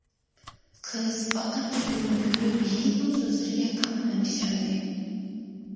قىز ئاق ئەتىر گۈلنى كۆرۈپ يىگىتنىڭ سۆزلىرىگە تامامەن ئىشەندى.